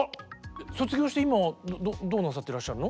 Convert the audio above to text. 卒業して今はどうなさってらっしゃるの？